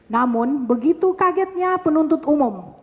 namun begitu kagetnya penuntut umum